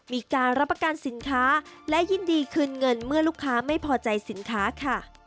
มีการรับประกันสินค้าและยินดีคืนเงินเมื่อลูกค้าไม่พอใจสินค้าค่ะ